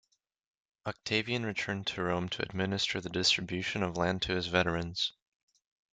Octavian returned to Rome to administer the distribution of land to his veterans.